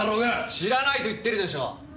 知らないと言ってるでしょう！